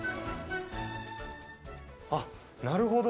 あっなるほど。